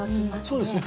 そうですね。